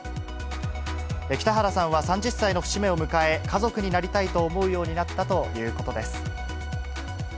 北原さんは３０歳の節目を迎え、家族になりたいと思うようになったということです。